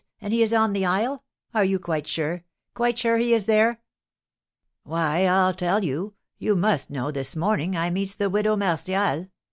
And he is on the isle! Are you sure quite sure he is there?" "Why, I'll tell you. You must know, this morning, I meets the widow Martial.